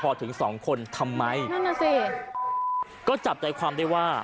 พอถึงสองคนทำไมนั่นน่ะสิก็จับใจความได้ว่า